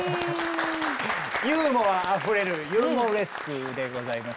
ユーモアあふれる「ユモレスク」でございます。